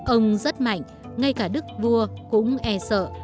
ông rất mạnh ngay cả đức vua cũng e sợ